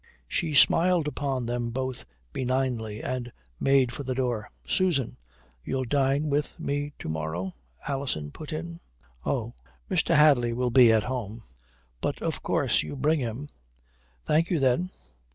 She smiled upon them both benignly and made for the door. "Susan! You'll dine with me to morrow," Alison put in. "Oh. Mr. Hadley will be at home." "But of course you bring him." "Thank you then."